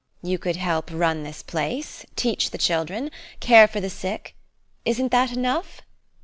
You could help run this place, teach the children, care for the sick isn't that enough?